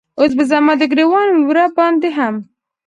اوس به زما د ګریوان وره باندې هم